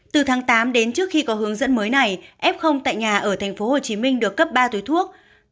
từ tháng tám đến trước khi có hướng dẫn mới này f tại nhà ở tp hcm được cấp ba túi thuốc